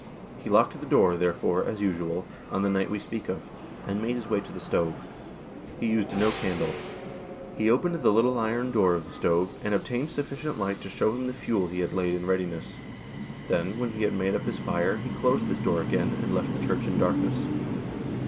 He locked the door, therefore, as usual, on the night we speak of, and made his way to the stove. He used no candle. He opened the little iron door of the stove, and obtained sufficient light to shew him the fuel he had laid in readiness ; then, when he had made up his fire, he closed this door again, and left the Church in darkness.